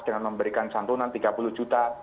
dengan memberikan santunan tiga puluh juta